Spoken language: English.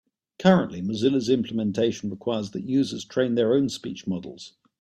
Currently, Mozilla's implementation requires that users train their own speech models.